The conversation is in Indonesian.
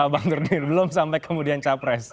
bang nurdin belum sampai kemudian capres